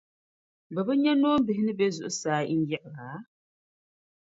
Bɛ bi nya noombihi ni be zuɣusaa n-yiɣira?